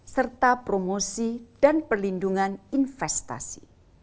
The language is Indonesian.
serta promosi dan perlindungan investasi